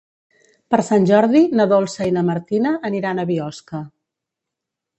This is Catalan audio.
Per Sant Jordi na Dolça i na Martina aniran a Biosca.